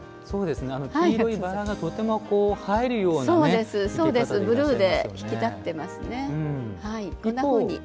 黄色いバラがとても映えるようなブルーで引き立ってますね。